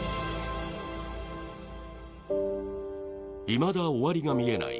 いまだ終わりが見えない